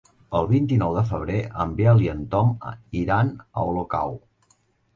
El vint-i-nou de febrer en Biel i en Tom iran a Olocau.